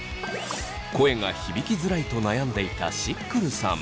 声が響きづらいと悩んでいたしっくるさん。